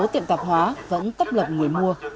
một số tiệm tạp hóa vẫn tấp lập người mua